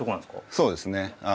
そうですね。